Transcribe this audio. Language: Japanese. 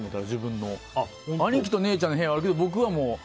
兄貴と姉ちゃんの部屋はあるけど僕はもう。